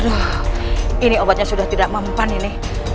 aduh ini obatnya sudah tidak mempan ini